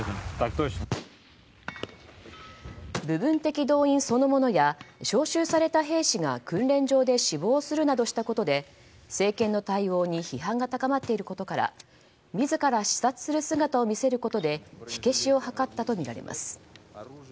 部分的動員そのものや招集された兵士が訓練場で死亡するなどしたことで政権の対応に批判が高まっていることから自ら視察する姿を見せることで火消しを図ったとみられます。